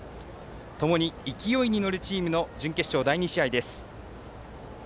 ともに勢いに乗るチームの準決勝第２試合です。